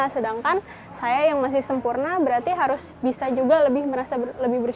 sedangkan saya yang masih sempurna berarti harus bisa juga lebih merasa bersyukur daripada mereka